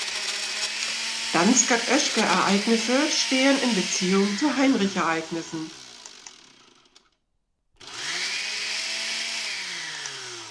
Dansgaard-Oeschger-Ereignisse stehen in Beziehung zu Heinrich-Ereignissen.